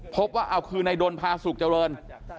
พบว่าอ้าวคือในดนท์พาสุกเจริญ